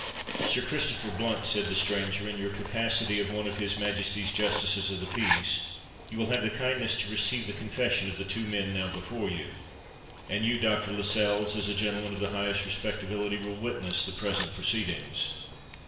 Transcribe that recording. "Sir Christopher Blunt," said the stranger, "in your capacity of one of his Majesty's Justices of the Peace, you will have the kindness to receive the confession of the two men now before you; and you, Dr. Lascelles, as a gentleman of the highest respectability, will witness the present proceedings."